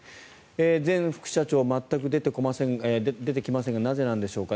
前副社長、全く出てきませんがなぜなんでしょうか。